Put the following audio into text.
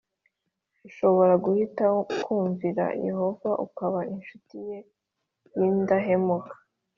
Ushobora guhitamo kumvira Yehova ukaba incuti ye y indahemuka